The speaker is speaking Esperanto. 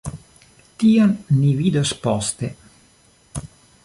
Tion ni vidos poste.